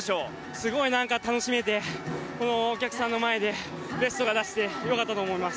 すごく楽しめてこのお客さんの前でベストが出せて良かったと思います。